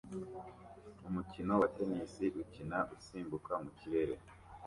Umukino wa tennis ukina usimbuka mu kirere